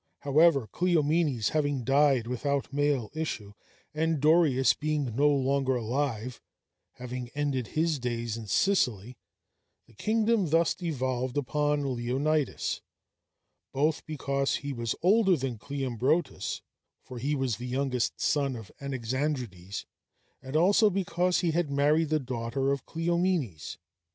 However, Cleomenes having died without male issue, and Dorieus being no longer alive having ended his days in Sicily the kingdom thus devolved upon Leonidas; both because he was older than Cleombrotus for he was the youngest son of Anaxandrides and also because he had married the daughter of Cleomenes.